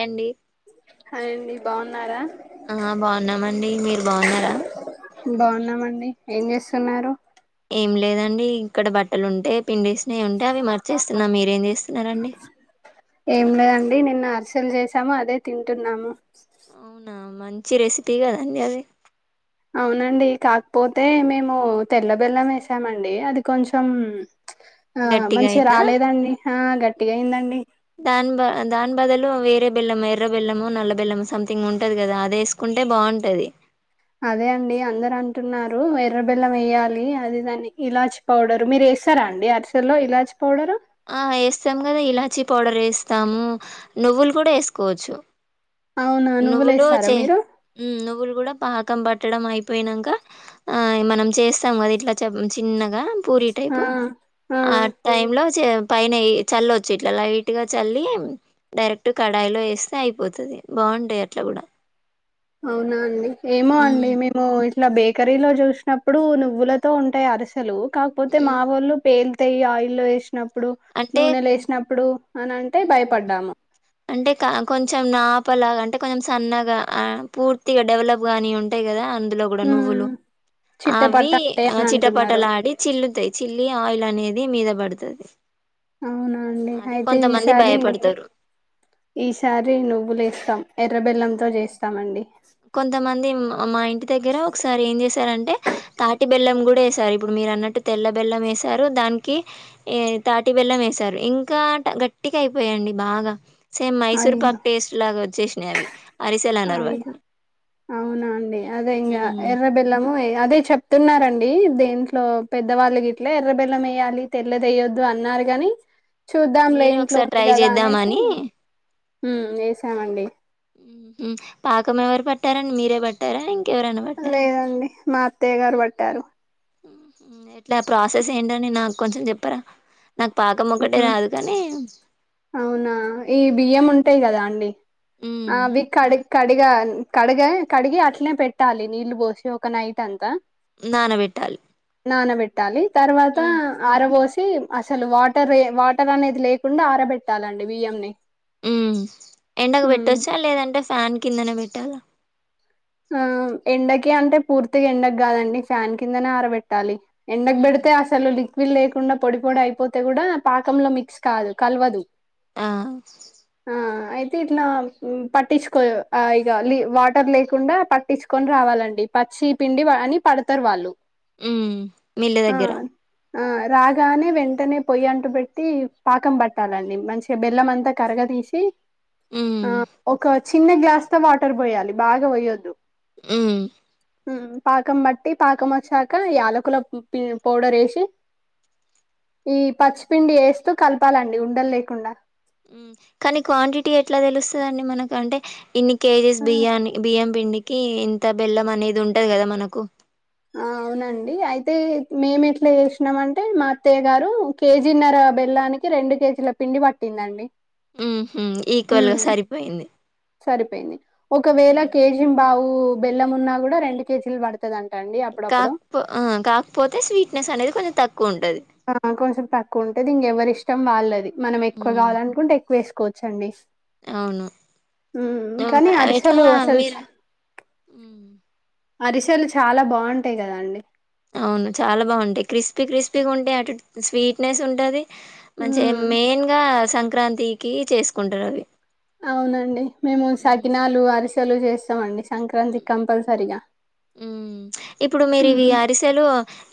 అండి హలో అండి బాగున్నారా ఆ బాగున్నామండి మీరు బాగున్నారా బాగున్నామండి ఏం చేస్తున్నారు ఏం లేదండి ఇక్కడ బట్టలు ఉంటే పిండి వసినావి ఉంటే అవి మర్చేస్తున్నా మీరేం చేస్తున్నారండి ఏం లేదండి నిన్న హర్సల్ చేసాము అదే తింటున్నాము అవునా మంచి రెసిపీ కదండి అది అవునండి కాకపోతే మేము తెల్లబెల్లం వేసామండి అది కొంచెం ఆ గట్టిగా మంచిగా అయిందా రాలేదండి ఆ గట్టిగా అయిందండి దాని బ దాని బదులు వేరే బెల్లం ఎర్ర బెల్లము నల్ల బెల్లము సంథింగ్ ఉంటది కదా అది వేసుకుంటే బాగుంటది అదే అండి అందరు అంటున్నారు ఎర్రబెల్లం వేయాలి అది దాన్ని ఇలాచి పౌడర్ మీరు ఇస్తరా అండి అరిసెల్లో ఇలాజ్ పౌడరు ఆ వేస్తాము కదా ఇలాచీ పౌడర్ వేస్తాము నువ్వులు కూడా వేసుకోవచ్చు అవునా నువ్వులు వచ్చ వేస్తారా మీరు నువ్వులు కూడా ప పక్కం పట్టడం అయిపోయినాక ఆ మనం చేస్తాం కదా ఇట్లా చిన్నగా పూరి ఆ టైపు ఆ టైమ్ లో పైన చల్లొచ్చు ఇట్లా లైట్ గా చల్లి డైరెక్ట్ కడాయిలో వేస్తే అయిపోతుది బాగుంటాయి అట్లా కూడా అవునా అండి ఏమో హ్మ్. అండి మేము ఇట్లా బేకరీలో చూసినప్పుడు నువ్వులతో ఉంటాయి అరిసెలు కాకపోతే మా హ్మ్. వాళ్ళు పేల్ ్య ఆయిల్ వేసినప్పుడు అంటే నూనెలు వేసినప్పుడు అని అంటే హ్మ్. భయపడ్డాము అంటే కొంచెం నా తప్పలాగా అంటే కొంచెం సన్నగా పూర్తిగా డెవలప్ గాని ఉంటాయి కదా అ ఇందులో కూడా మ్మ్ నువ్వులు చిట్ట పట్ట అవి అంటే అని ఆ అంటున్నారు చిట్టపటలు ఆడి చిల్లుతాయి చిల్లి ఆయిల్ అనేది ీ మీద పడుతుది అవునండి అయితే ఈసారి భయపడతారు ఈసారి నువ్వులేేస్తాం ఎర్రబెల్లంతో చేస్తాం అండి కొంతమంది మా ఇంటి దగ్గర ఒకసారి ఏం చేశారంటే తాటి బెల్లం కూడా వేసారు ఇప్పుడు మీరు అన్నట్టు తెల్ల బెల్లం వేసారు దానికి తాటి బెల్లం వేస సారు ఇంకా గట్టిగా అయిపోయండి బాగా సేమ్ మైసూర్ అయ్యో పాకు టేస్ట్ లాగా వచ్చేసినాయి అవి అరిసెలు అనరు అయ్యో వాటిని అవునా అండి అదే ఇంకా హ్మ్. ఎర్ర బెల్లం అదే చెప్తున్నారండి దేంట్లో పెద్దవాళ్ళకి ఇట్లా ఎర్రబెల్లం వేయాలి తెల్లదిేయొద్దు అన్నారు కాని చూద్దాం లే మీరు ఒకసారి ఇంట్లోంది ట్రై కదా అనేసి చేద్దామని హుమ్మ్ వేసానండి పాకం ఎవరు పట్టారండి మీరే పట్టారా ఇంకా లేదండి మా అత్తయ్య గారు పట్టారు ఎట్ల ప్రాసెస్ ఏంటని నాకు కొంచెం చెప్పారా అవునా ఈ బియ్యం ఉంటాయి కదా అం డి హ్మ్. అది కాడ్ కడిగ కడిగ కడిగి అట్నే పెట్టాలి నీళ్లు పోసి ఒక నైట్ అంతా నానబెట్టాలి నానబెట్టాలి తర్వాత హ్మ్. అరవోసి అసలు వా వాటర్ వాటర్ అనేది లేకుండా ఆరబెట్టాలండి బియ్యంని ఉ ఎండకు ఉమ్ పెట్టొచ్చా లేదంటే ఫ్యాన్ కిందనే పెట్టాలా ఆ ఎండకి అంటే పూర్తిగా ఎండకి కాదండి ఫ్యాన్ కిందనే ఆరబెట్టాలి ఎండకు ఉమ్ బెడితే ఆ సెలులిక్ వీళ్ళ లేకుండా పొడి పొడి అయిపోతే కూడా పాకంలో మిక్స్ కాదు కలవదు ఆ ఆ అయితే ఇట్లా పట్టించుకో ఇక వాటర్ లేక్ కుండా పట్టించుకొని రావాలండి పచ్చి పిండి అని పడతారు వాళ్ళు ఉ మిల్లు ఆ దగ్గర ఆ రాగానే వెంటనే పొయ్యి అంటు పెెట్టి పాకం పట్టాలండి మంచిగా బెల్లంమంతా కరగ సి ఉమ్ ఆ ఒక చిన్న గ్లాస్ తో వాటర్ పోయాలి బాగా పోయొద్దు హ్మ్మ్ పాకం బట్టి పాకం వచ్చాక యాలకుల ప పౌడర్ వేసి ఈ పచ్చిపిండి వేస్తూ కలపాలండి ఉండలు లేకుండా కానీ క్వాంటిటీ ఎట్లా తెలుస్తుందండి మనకు అంటే ఇన్ని కేజీస్ బియ్యాన్ని బియ్యం పిండికి ఇంత బెల్లం అనేది ఉంటది కదా మనకు ఆ ండి అయితే మేము ఎట్లా చేసినాం అంటే మా అత్తయ్య గారు కేజీన్నర బెల్లానికి రెండు కేజీల పిండి పట్టిందండి ఉ ఈక్వల్ గా ఉమ్, సరిపోయింది సరిపోయింది ఒకవేళ ఉమ్ కేజీ బావు బెల్లం ఉన్నా కూడా రెండు కేజీలు పడుత కాకపో ఆ కాకపోతే స్వీట్నెస్ అనేది కొంచెం తక్కువ ఉంటది ఆ కొంచెం తక్కువ ఉంటే ఇంకెవరి ఇష్టం వాళ్ళది మనం ఎక్కువ ఉమ్ కావాలనుకుంటే ఎక్కువ వేసుకో కోవచండి అవును హ్మ్మ్ ఉమ్ కానీ అవి ఎట్లా అరిసలు అసలు మీరు ఉమ్ అరిసలు చాలా బాగుంటాయి కదా అండి అవును చాలా బాగుంటాయి క్రిస్పీ క్రిస్పీగా ఉంటాయి అటు స్వీట్నెస్ ఉంటది మంచిగా ఉమ్ మెయిన్ గా సంక్రాంతికి చేసుకుంటారు అవి అవునండి మేము సకినాలు అరిసెలు చేస్తామండి సంక్రాంతికి కంపల్సరిగా ఉ ఇప్పుడు మీరివి ఉమ్, అరిసెలు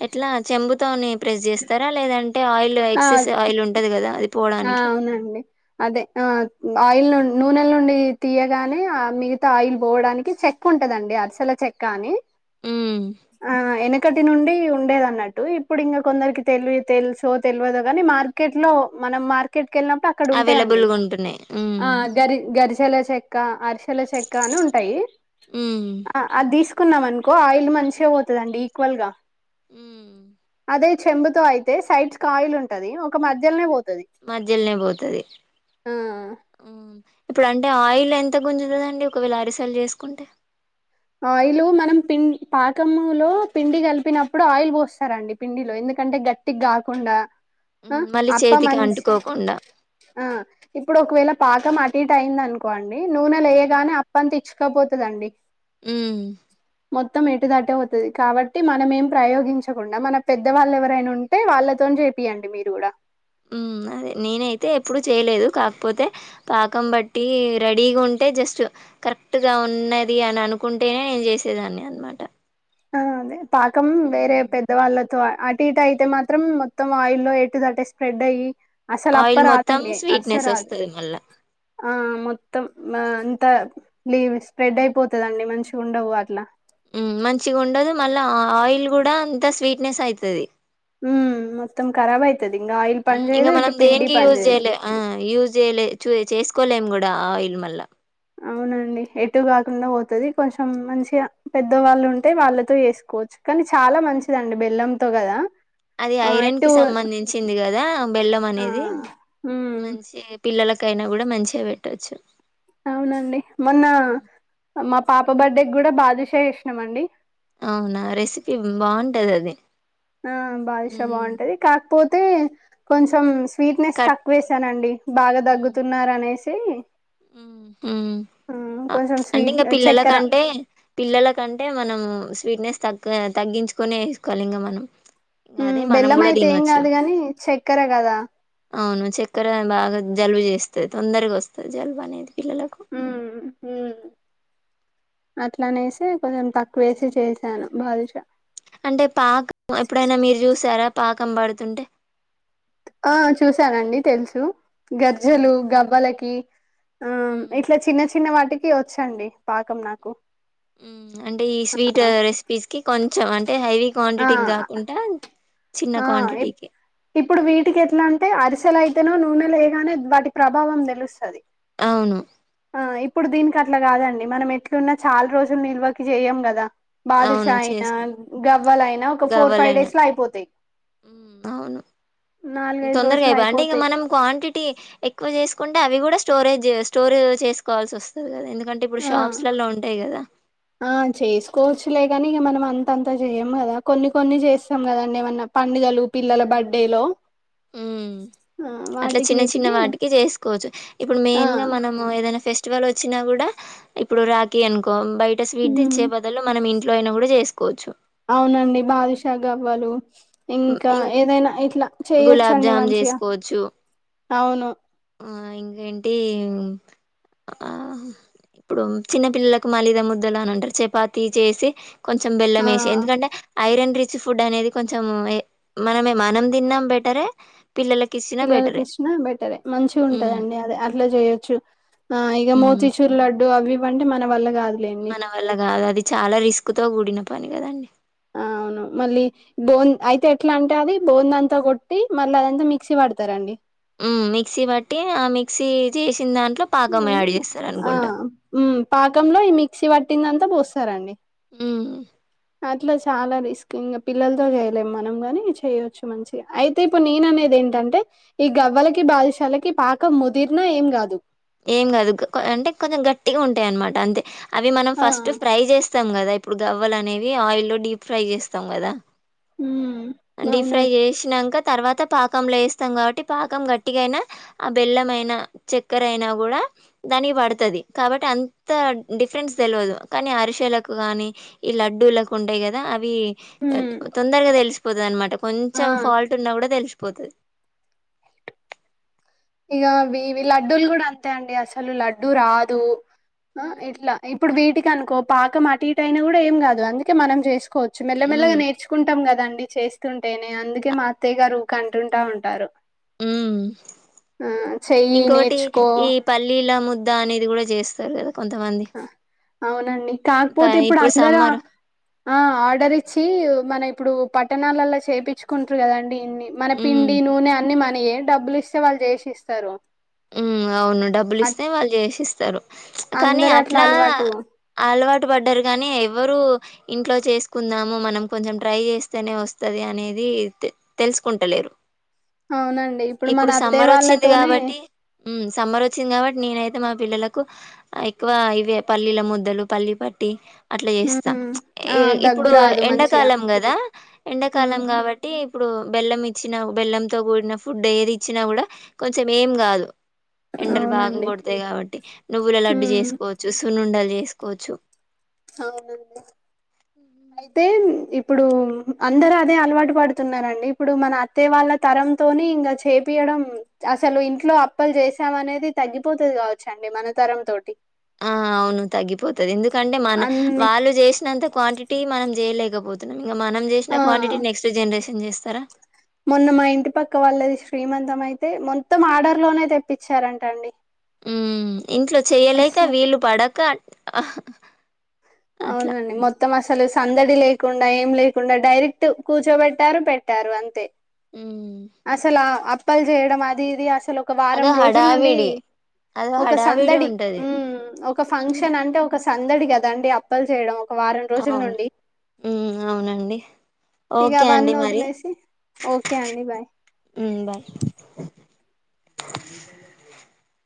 ఎట్లా చెంబుతోనే ప్రెస్ చేస్తారా లేదంటే ఆయిల్ ఆ ఎక్సెస్ ఆయిల్ ఉంటది కదా అది ఆ పోవడానికి అవునండి అదే ఆ ఆయిల్ ను నూనెల నుండి తీయగానే ఆ మిగతా ఆయిల్ పోవడానికి చెక్ ఉంటుందండి అరిసల చెక్ కానీ ఉమ్ ఆ ఏనా టి నుండి ఉండేది అన్నట్టు ఇప్పుడు ఇంకా కొందరికి తెలివి తెలుసో తెలియదుో కాని మార్కెట్ లో మనం మార్కెట్ కెళ్ళినప్పుడు అక్కడ ఉంటాయండి అవైలబుల్గా ఉంటున్నాయి ఆ ఉమ్ గరి గరిశెల చెక్క అరిసెల చెక్క అని ఉంటాయి ఉమ్ ఆ అది తీసుకున్నాం అనుకో ఆయిల్ మంచిగా పోతదండి ఈక్వల్ గా ఊమ్ దే చెంబుతో అయితే సైడ్స్ కి ఆయిల్ ఉంటది ఒక మధ్యలోనే పో మధ్యలనే పోతది ఆ ఉమ్ ఇప్పుడం టే ఆయిల్ ఎంత గుంజుతదండి ఒకవేళ అరిసెలు చేసుకుంటే ఆయిలు మనం పిం పాకము లో పిండి కలిపినప్పుడు ఆయిల్ పోస్తారండి పిండిలో ఎందు కంటే గట్టిగ కాకుండా ఆ ఉమ్ మళ్ళీ అప్ప చేతికి మంచ్ అంటుకోకుండా ఆ ఇప్పుడు ఒకవేళ పాకం అటు ఇటు అయింది అనుకోండి నూనె లేయ గానే అప్పంత ఇచ్చుకపోతుందండి ఉమ్ మొత్తం ఎటు దటే పోతది. కాబట్టి మనమేం ప్రయోగించకుండా మన పెద్దవాళ్ళ ఎవరైనా ఉంటే వాళ్ళతో. తోన్ చేపియండి మీరు కూడా హ్మ్. నేనైతే ఎప్పుడూ చేయలేదు కాకపోతే పాకం బట్టి రెడిగా ఉంటే జస్ట్ కరెక్ట్ గా ఉన్నది అని అనుకుంటేనే చేసేదాన్ని అనమాట ఆ అదే పాకం వేరే పెద్దవాళ్ళ తో అటు ఇటు అయితే మాత్రం మొత్తం ఆయిల్లో ఎటు అట్టే స్ప్రెడ్ అయ్యి అసలు అప్ప ఆయిల్ మొత్తం రాదండి, అరుస స్వీట్‌నెస్ రాదు ఒస్తది మళ్ళా. ఆ మొత్తం. అంత లీవ్ స్ప్రెడ్ అయిపోతదండి మంచిగా ఉండవు అట్లా మంచిగా ఉండదు మళ్ళా, ఆ ఆయిల్ కూడా అంత స్వీట్నెస్ అయితది. ఉమ్ ఇంగ మనం ఇటు పిండి దేనికి పని యూజ్ చేయదు. చేయాలే ఆ యూజ్ చేయాలే చూ ఏ చేస్ కోలేం కూడా ఆయిల్ మళ్ళ అవునన్ ఎటు కాకుండ పోతది, కొంచెం మంచిగా పెద్దవాళ్ళు ఉంటే వాళ్ళతో చేసుకోవచ్చు కానీ చాల్. చాలా మంచిదండి బెల్లంతో కదా అది ఐరన్ కి సంబంధించింది కదా బెల్లం ఆ! అనేది హ్మ్. మంచి పిల్లలకైనా కూడా మంచిగా పెట్టొచ్చు అవునండి మొన్న మా పాప బర్త్డే కూడా బాదుష చేసినం అండి అవునా రెసిపీ బాగుంటది అది ఆ బాదుష బాగుంటది కాకపోతే కొంచెం స్వీట్నెస్ కట్ తక్కువ వేేశానండి బాగా దగ్గుతున్నారు అనేసి ఊ హూ మ్మ్ ఆ కొంచెం అంటే స్వీట్ ఇంకా చక్కెర పిల్లలకంటే పిల్లలకంటే మనము స్వీట్నెస్ తగ్గ తగ్గించుకొనే వేసుకోవాలి ఇంక మనం ఉమ్ అదే మనం బెల్లం గూడా అయితే ఏం తినొచ్చు కాదు గానీ చక్కెర కదా అవును చక్కెర బాగా జలుబు చేస్తది తొందరగా వస్తది జలుబు అనేది పిల్లలకు అట్లానేసే కొంచెం తక్కువ వేసే చేసాను బాదూషా అంటే పాక ఎప్పుడైనా మీరు చూసారా పాకం పడుతుంటే ఆ చూశానండి తెలుసు ఉమ్ గజ్జెలు గవ్వలకి ఆ ఇట్లా చిన్న చిన్న వాటికి వచ్చండి పాకం నాకు ఉమ్ అంటే ఈ స్వీట్ రెసిపీస్ కి కొంచెం అంటే హైవీ ఆ ఆ క్వాంటిటీకి కాకుంటా చిన్న ఆ, క్వాంటిటీకి ఇప్పుడు వీటికి ఎట్లా అంటే అరిసెల అయితేనో నూనెల ఎయ్యగానే వాటి ప్రభావం తెలుస్తాది అవును ఆ ఇప్పుడు దీనికి అట్లా కాదండి మనం ఎట్లున్నా చాలా రోజులు నిల్వకి చెయ్యం కదా అవును బాదుషా అయినా చేసుకో గవ్వలు ఐనా ఒక ఫోర్ ఫైవ్ డేస్ లో అయిపోతాయి ఉమ్ అవును నాలుగైదు తొందరగా రోజులు [inaudible] అంటే ఇగ అయిపోతాయి మనం క్వాంటిటీ ఎక్కువ చేసుకు అంటే అవి కూడా స్టోరేజ్ స్టోరే చేసుకోవాల్సి వస్తుంది కదా ఎందు ఆ ఆ చేసుకోవచ్చు లేగాని ఇక మనం అంతంతా చేయం కదా కొన్ని కొన్ని చేస్తాం కదండి ఏమన్నా పండిడులు పిల్లల బర్త్డే హలో ఉమ్ అట్లా చిన్న చిన్న వీటికి వాటికి చేసుకోవచ్చు ఇప్పుడు ఆ మెయిన్ గా మనం ఏదైనా ఫెస్ వల్ వచ్చినా కూడా ఇప్పుడు రాఖీ అనుకో బయట స్వీట్ ఉమ్ తెచ్చే బదులు మనం ఇ ఇంట్లో అయిన కూడా చేసుకోవచ్చు అవునండి బాదుషా గవ్వలు ఇంకా ఇం ఏదైనా ఇట్లా గులాబ్ చేయొచ్చండి జామ్ మంచిగా చేసుకోవచ్చు అవును ఆ ఇంకా ఏంటి ఆ ఇప్పుడు చిన్న పిల్లలకు మాలీదా ముద్దలు అంటారు చపాతి చేసి కొంచెం ఆ! బెల్లం వేసి ఎందుకంటే ఐరన్ రిచ్ ఫుడ్ అనేది కొంచెం మనమే మనం తిన్నం బెటరే పిల్లలకి ఇచ్చినా పిల్లలకి బెటరే ఇచ్చిన బెటరే మంచిగా ఉమ్ ఉంటదండి అది అట్లా చేయొచ్చు ఆ ఇక మోతీచూరు లడ్డు అవి ఇవి అంటే మన వల్ల కాదు మన వల్ల కాదు అది చాలా రిస్క్ తో కూడిన పని కదండి ఆ అవును మళ్ళీ బోన్ అయితే ఎట్లా అంటే అది బోంద అంతా కొట్టి మళ్ళీ అదంతా మిక్సీ ప పడతారంండి ఉమ్ మిక్సీ బట్టి ఆ మిక్సీ చేసిన దాంట్లో పాకం అన్ యాడ్ చేస్తారు ఆ! అనుకుంటా హ్మ్. పాకంలో ఈ మిక్సీ పట్టిందంతా పోస్తారంండి ఉమ్ అట్లా చాలా రిస్క్ ఇంకా పిల్లలతో చేయలేం మనం గాని చేయొచ్చు మంచి అయితే ఇప్పు నేననేది ఏంటంటే ఈ గవ్వలకి బాలశాలకి పాకం ముదిరిన ఏం కాదు ఏం కాదు కో అంటే కొంచెం గట్టిగా ఉంటాయి అన్నమాట అంతే అవి మనం ఆ! ఫస్ట్ ఫ్రై చేస్తాం కదా ఇప్పుడు గవ్వలు అనేవి ఆయిల్లో డీప్ ఫ్రై చేస్తాం కదా హ్మ్. డీప్ అవునం ఫ్రై చేసినంకా తర్వాత పాకంలో వస్తాం కాబట్టి పాకం గట్టిగాయినా ఆ బెల్లంమయినా చక్కర అయినా కూడా దాని పడుతది కాబట్టి అంత డిఫరెన్స్ తెలియదు కానీ అరిసలకు కాని ఈ లడ్డూ లకు ఉండాయి కదా అవి ఈ హ్మ్ తొందరగా తెలిసిపోతది అనమాట ఆ కొంచెం ఫాల్ట్ ఉన్నా కూడా తెలుసి పోతది ఇక వి ఇవి లడ్డూలు కూడా అంతే అండి అసలు లడ్డూ రాదు అ ఇట్లా ఇప్పుడు వీటికి అనుకో పాకం అటు ఇటు అయినా కూడా ఏం కాదు అందుకే మనం చేసుకో సుకోచ్చు ఉమ్ మెల్లమెల్గాేర్చుకుంటం కదండి చేస్త ంటేనే అందుకే మా అత్తయ్య గారు ఊకే అంటుంటా ఉంటారు ఉమ్ ఆ చెయ్యి ఇంకోకోటి నేర్చుకో ఈ పల్లీల ము దా అనేది కూడా చేస్తారు కదా కొంతమంది ఆ! అవునండి ప కాకపోతే ఇప్పుడు అందరూ సమ్మర్ ఆ ఆర్డర్ ఇచ్చి మన ఇప్పుడు పట్టణాలలా చేయించుకుంటారు కదాండి ఇన్ని మన ఉమ్ పిండి నూనె అన్ని మ ఏం డబ్బులు ఇస్తే వాళ్ళు చేసి ఇస్తారు ఉ అవును డబ్బులు ఇస్తే వాళ్ళు చేసిస్తారు కానీ అందరు అట్లా అలవాటు అలవాటు చట్ పడ్డారు కాగానీ ఎవ్వరు ఇంట్లో చేసుకుందాము మనం కొంచెం ట్రై చేస్తేనే వస్తాది అనేది ఇ తెలుసుకుంటలేరు అవునండి మన ఇప్పుడు అత్తయ్య సమ్మర్ వచ్చింది వాళ్ళతోనే కాబట్టి సమ్మర్ వచ్చింది కాబట్టి నేనైతే మా పిల్లలకు ఎక్కువ ఇవే పల్లీల ముద్దలు పల్లీ పట్టి అట్లా చేస్తా ఉమ్ ఆ దగ్గు ఇప్పుడు రాదు మంచిగా ఎండాకాలం కదా ఎండాకాలం ఉమ్ కాబట్టి ఇప్పుడు బెల్లం ఇచ్చిన బెల్లంతో కూడిన ఫుడ్ ఏది ఇచ్చినా కూడా కొంచెం ఏం కాదు ఎండరు బాగా అవునండి కొడతాయి కాబట్టి నువ్వుల లడ్డు ఉమ్ చేసుకోవచ్చు సునుండలు చేసుకోవచ్చు అవునండి అయితే ఇప్పుడు అందరు అదే అలవాటు పడుతున్నారండి ఇప్పుడు మన అత్తే వాళ్ళ తరంతోనే ఇంకా చే యడం అసలు ఇంట్లో అప్పలు చేసాం అనేది తగ్గిపోతుంది కావచ్చండి మన తరం తోటి ఆ అవును తగ్గిపోతాది ఎందుకంటే మన అన్ని వాళ్ళు చేసినంత క్వాంటిటీ మనం చేయలేకపోతున్నాం ఇంకా మనం ఆ చేసిన క్వాంటిటీ నెక్స్ట్ జనరేషన్ చేస్తారా మొన్న మా ఇంటి పక్క వాళ్ళది శ్రీమంతం అయితే మొత్తం ఆర్డర్ లోనే తెప్పించారంట అండి మ్మ్ ఇంట్లో చేయలేక అస్స వీలు పడక అట్లా అవునండి మొ మొత్తం అసలు సందడి లేకుండా ఏం లేకుండా డైరెక్ట్ కూర్చోబెట్టారు పెట్టారు అంతే ఉమ్ అసలు ఆ అప్పలు చేయడం అది ఇది అసలు ఒక అదో వారం రోజుల నుండి హడావిడి అదో ఒక హడావిడి సందడి ఉంటది మ్మ్ ఒక ఫంక్షన్ అంటే ఒక సందడి కదా అండి అప్పలు చేయడం వారం రోజుల నుండి ఉను అవునండి ఇక ఓకే అండి అవన్నీ మరి వదిలేసి ఓకే అండి బాయ్ బాయ్ [inaudible]